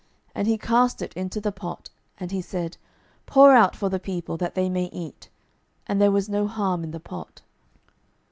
And he cast it into the pot; and he said, Pour out for the people, that they may eat. And there was no harm in the pot.